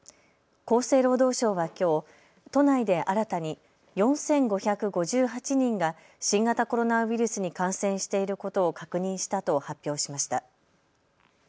厚生労働省はきょう都内で新たに４５５８人が新型コロナウイルスに感染していることを確認したと発表しました。